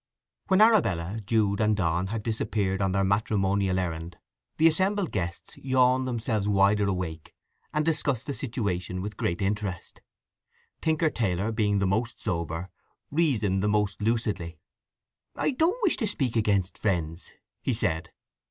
When Arabella, Jude, and Donn had disappeared on their matrimonial errand the assembled guests yawned themselves wider awake, and discussed the situation with great interest. Tinker Taylor, being the most sober, reasoned the most lucidly. "I don't wish to speak against friends," he said.